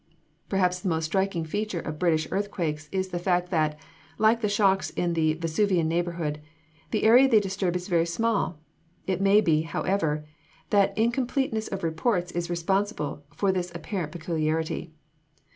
Perhaps the most striking feature of British earthquakes is the fact that, like the shocks in the Vesuvian neighborhood, the area they disturb is very small; it may be, however, that incompleteness of reports is responsible for this apparent peculiarity.